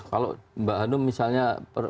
kalau mbak hanum misalnya